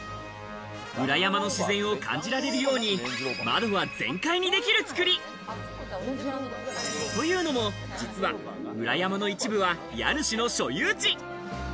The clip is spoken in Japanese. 裏山の自然を感じられるように窓は全開にできる作り！というのも、実は裏山の一部は家主の所有地。